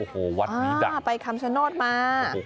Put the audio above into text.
ค่ะอ้าไปคำชโนธมาโอ้โหวัดนี้ดัง